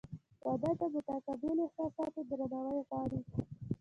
• واده د متقابل احساساتو درناوی غواړي.